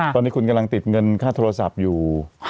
ตอนนี้คุณกำลังติดเงินค่าโทรศัพท์อยู่